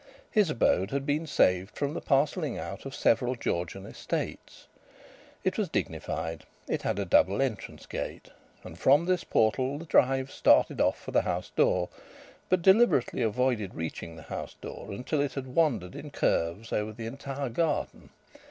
His abode had been saved from the parcelling out of several Georgian estates. It was dignified. It had a double entrance gate, and from this portal the drive started off for the house door, but deliberately avoided reaching the house door until it had wandered in curves over the entire garden.